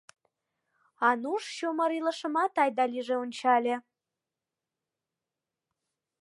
Ануш чумыр илышымат айда-лийже ончале.